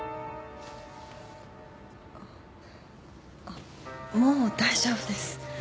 あっもう大丈夫です。